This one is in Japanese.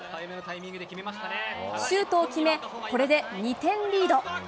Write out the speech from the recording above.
シュートを決めこれで２点リード。